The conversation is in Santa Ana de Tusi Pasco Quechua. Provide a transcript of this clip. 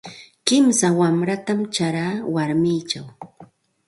Kimsa wanratam charaa warmichaw.